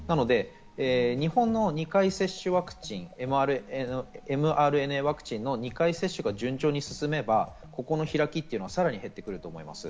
日本の２回接種ワクチン、ｍＲＮＡワクチンの２回接種が順調に進めば、ここの開きというのはさらに減ってくると思います。